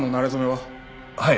はい。